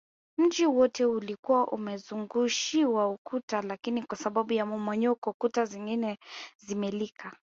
Mji wote ulikuwa umezungushiwa ukuta lakini kwa sababu ya mmomonyoko kuta zingine zimelika